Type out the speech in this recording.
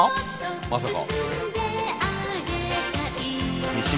まさか。